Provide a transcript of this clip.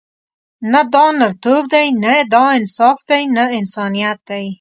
نه دا نرتوب دی، نه دا انصاف دی، نه انسانیت دی.